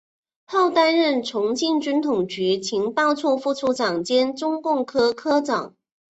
后担任重庆军统局情报处副处长兼中共科科长。